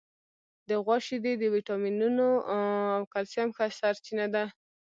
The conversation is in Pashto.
د غوا شیدې د وټامینونو او کلسیم ښه سرچینه ده.